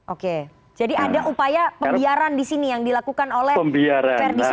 oke jadi ada upaya pembiaran disini yang dilakukan oleh ferry sambu